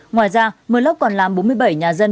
ngoài ra mưa lốc còn làm bốn mươi bảy nhà dân